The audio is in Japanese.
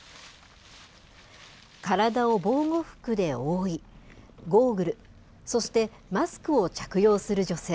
体を防護服で覆い、ゴーグル、そしてマスクを着用する女性。